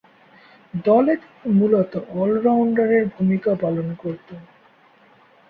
দলে তিনি মূলতঃ অল-রাউন্ডারের ভূমিকা পালন করতেন।